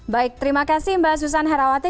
baik terima kasih mbak susan herawati